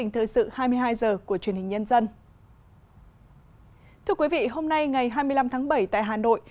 thưa quý vị hôm nay ngày hai mươi năm tháng bảy tại hà nội